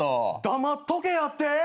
黙っとけやって？